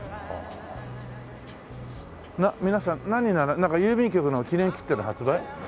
皆さん何に郵便局の記念切手の発売？